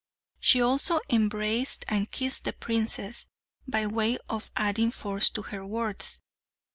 She also embraced and kissed the princess by way of adding force to her words.